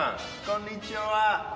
こんにちは。